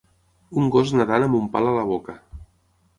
Un gos nedant amb un pal a la boca.